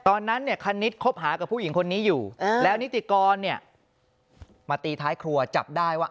ตอนนั้นเนี่ยคณิตคบหากับผู้หญิงคนนี้อยู่แล้วนิติกรเนี่ยมาตีท้ายครัวจับได้ว่า